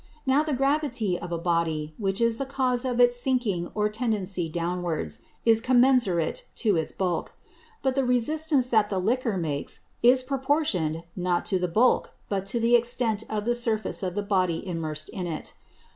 Now the Gravity of a Body, which is the Cause of its sinking or tendency downwards, is commensurate to its Bulk; but the resistance that the Liquor makes, is proportion'd, not to the Bulk, but to the Extent of the Surface of the Body immersed in it.